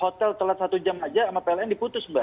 hotel telat satu jam aja sama pln diputus mbak